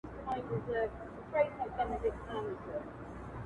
عموماً اختر درې ورځي دي